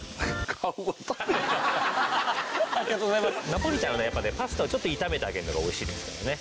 ナポリタンはねやっぱねパスタをちょっと炒めてあげるのが美味しいですからね。